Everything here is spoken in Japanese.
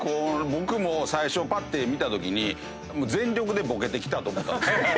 僕も最初ぱって見たときに全力でボケてきたと思ったんです。